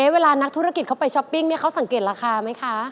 เวลานักธุรกิจเขาไปช้อปปิ้งเขาสังเกตราคาไหมคะ